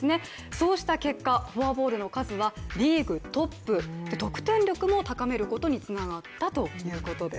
そうした結果、フォアボールの数はリーグトップ、得点力も高めることにつながったということです。